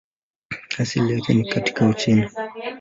Asili yake ni katika Uchina.